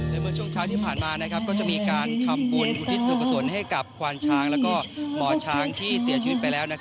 เมื่อช่วงเช้าที่ผ่านมาก็จะมีการทำบุญอุทิศส่วนกษลให้กับควานช้างและหมอช้างที่เสียชีวิตไปแล้ว